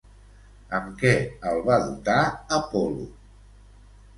Amb què el va dotar Apol·lo?